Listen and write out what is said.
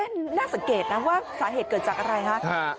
น่าสังเกตนะว่าสาเหตุเกิดจากอะไรฮะ